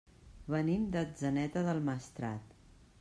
Venim d'Atzeneta del Maestrat.